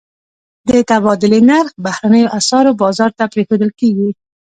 د تبادلې نرخ بهرنیو اسعارو بازار ته پرېښودل کېږي.